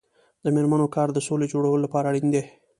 د میرمنو کار د سولې جوړولو لپاره اړین دی.